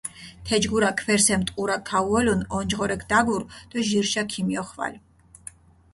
თეჯგურა ქვერსემ ტყურაქ ქაუოლუნ, ონჯღორექ დაგურჷ დო ჟირშა ქომიოხვალ.